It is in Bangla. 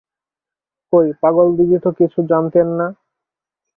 কই পাগলদিদি তো কিছু জানতেন না?